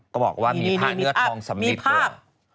ก็บอกว่ามีพระเนื้อทองสำริดด้วย